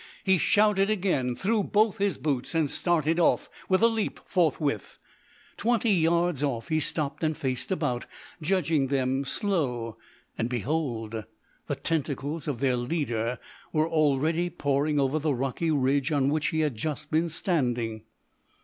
He shouted again, threw both his boots, and started off, with a leap, forthwith. Twenty yards off he stopped and faced about, judging them slow, and behold! the tentacles of their leader were already pouring over the rocky ridge on which he had just been standing!